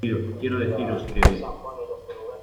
Quiero deciros que...